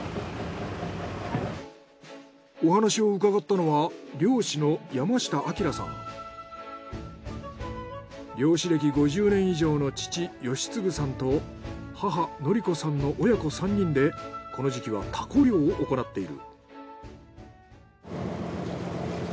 お話を伺ったのは漁師の漁師歴５０年以上の父善継さんと母典子さんの親子３人でこの時期はタコ漁を行っている。